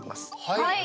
はい。